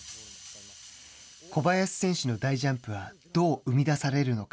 小林選手の大ジャンプはどう生み出されるのか。